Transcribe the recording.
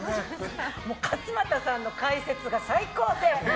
勝俣さんの解説が最高で。